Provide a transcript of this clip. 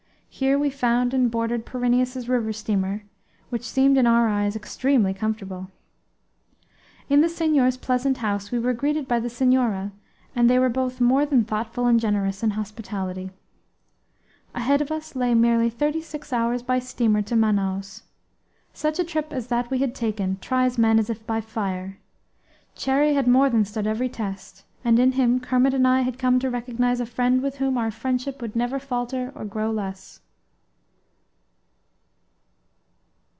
Here we found and boarded Pyrineus's river steamer, which seemed in our eyes extremely comfortable. In the senhor's pleasant house we were greeted by the senhora, and they were both more than thoughtful and generous in their hospitality. Ahead of us lay merely thirty six hours by steamer to Manaos. Such a trip as that we had taken tries men as if by fire. Cherrie had more than stood every test; and in him Kermit and I had come to recognize a friend with whom our friendship would never falter or grow less.